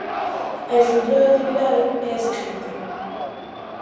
A estrutura da actividade é a seguinte: